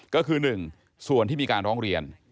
ก็คือ๑ส่วนที่มีการร้องเรียน